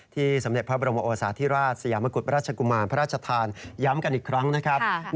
สมเด็จพระบรมโอสาธิราชสยามกุฎราชกุมารพระราชทานย้ำกันอีกครั้งนะครับ